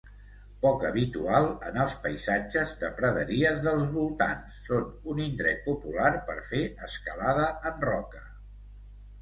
Poc habitual en els paisatges de praderies dels voltants, són un indret popular per fer escalada en roca.